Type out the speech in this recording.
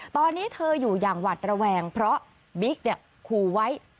ตอนนี้เธออยู่อย่างหวัดระแวงเพราะบิ๊กขู่ไว้